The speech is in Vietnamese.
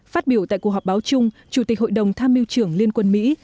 phát biểu tại cuộc họp báo chung chủ tịch hội đồng tham mưu trưởng liên quân mỹ